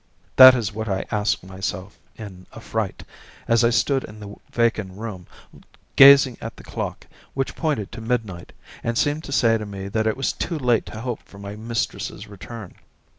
That is what I asked myself in affright, as I stood in the vacant room, gazing at the clock, which pointed to midnight, and seemed to say to me that it was too late to hope for my mistress's return.